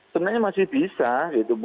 sebenarnya masih bisa gitu